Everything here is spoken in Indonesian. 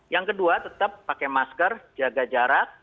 yang kedua tetap pakai masker jaga jarak